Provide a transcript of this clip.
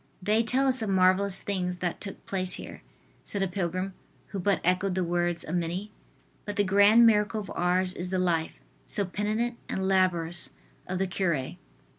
"They tell us of marvelous things that took place here," said a pilgrim who but echoed the words of many, "but the grand miracle of Ars is the life, so penitent and laborious, of the cure."